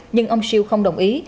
nhưng ông siêu không đồng ý